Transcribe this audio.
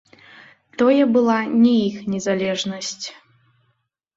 Тое была не іх незалежнасць.